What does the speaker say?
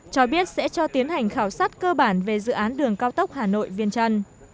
cho biết sẽ cho tiến hành khảo sát cơ bản về dự án đường cao tốc hà nội viên trăn